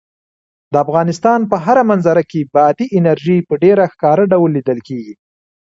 د افغانستان په هره منظره کې بادي انرژي په ډېر ښکاره ډول لیدل کېږي.